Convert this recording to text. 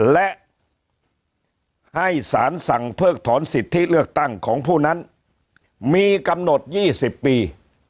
และให้สารสั่งเพิกถอนสิทธิเลือกตั้งของผู้นั้นมีกำหนด๒๐ปี